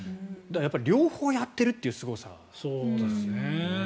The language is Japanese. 両方やってるというすごさですね。